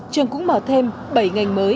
trường cũng mở thêm bảy ngành mới